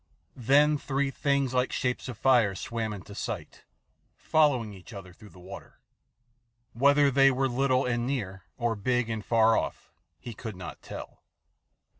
Then three things like shapes of fire swam into sight, following each other through the water. Whether they were little and near or big and far off he could not tell.